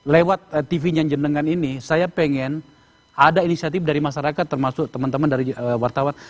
lewat tv nya jenengan ini saya pengen ada inisiatif dari masyarakat termasuk teman teman dari wartawan